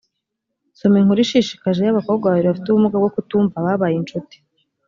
soma inkuru ishishikaje y’abakobwa babiri bafite ubumuga bwo kutumva babaye incuti